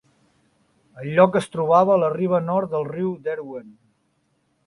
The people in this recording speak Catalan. El lloc es trobava a la riba nord del riu Derwent.